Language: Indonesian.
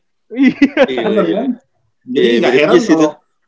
jadi nggak heran loh